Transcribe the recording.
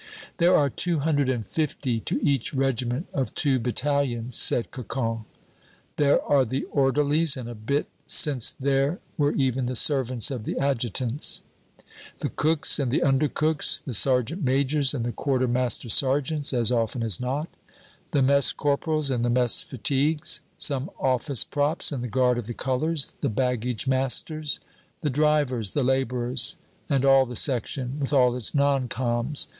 "There are two hundred and fifty to each regiment of two battalions," said Cocon. "There are the orderlies, and a bit since there were even the servants of the adjutants." "The cooks and the under cooks." "The sergeant majors, and the quartermaster sergeants, as often as not." "The mess corporals and the mess fatigues." "Some office props and the guard of the colors." "The baggage masters." "The drivers, the laborers, and all the section, with all its non coms.